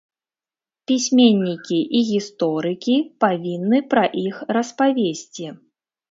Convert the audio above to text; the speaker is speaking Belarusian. Пісьменнікі і гісторыкі павінны пра іх распавесці.